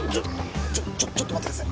ちょっとちょっと待ってください